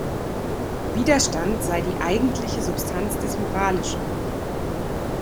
Widerstand sei „die eigentliche Substanz des Moralischen“.